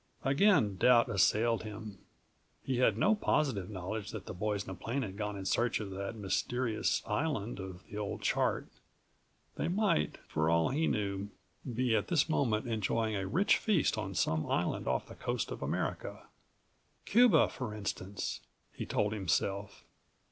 Again doubt assailed him. He had no positive knowledge that the boys in the plane had gone in search of that mysterious island of the161 old chart. They might, for all he knew, be at this moment enjoying a rich feast on some island off the coast of America. "Cuba, for instance," he told himself.